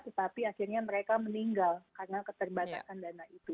tetapi akhirnya mereka meninggal karena keterbatasan dana itu